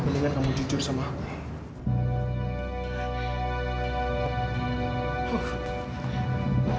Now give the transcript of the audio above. mendingan kamu jujur sama aku